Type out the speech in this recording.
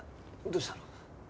どうしたの？